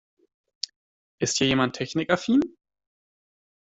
Ist hier jemand technikaffin?